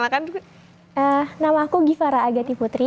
nama aku givara agati putri